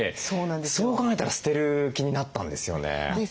そう考えたら捨てる気になったんですよね。